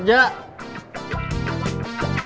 kamu nggak punya kue